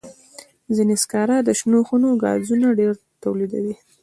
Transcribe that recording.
ځینې سکاره د شنو خونو ګازونه ډېر تولیدوي.